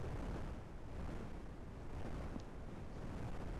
கயவர்கட்கு அந்த ஆற்றலும் இராது.